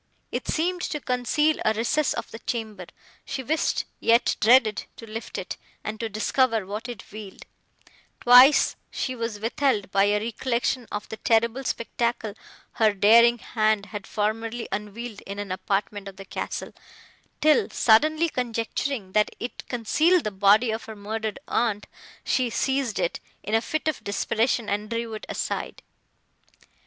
It seemed to conceal a recess of the chamber; she wished, yet dreaded, to lift it, and to discover what it veiled: twice she was withheld by a recollection of the terrible spectacle her daring hand had formerly unveiled in an apartment of the castle, till, suddenly conjecturing, that it concealed the body of her murdered aunt, she seized it, in a fit of desperation, and drew it aside.